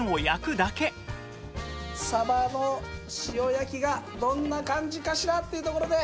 サバの塩焼きがどんな感じかしらっていうところで。